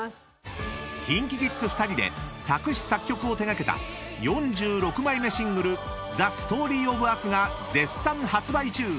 ［ＫｉｎＫｉＫｉｄｓ２人で作詞・作曲を手掛けた４６枚目シングル『ＴｈｅＳｔｏｒｙｏｆＵｓ』が絶賛発売中］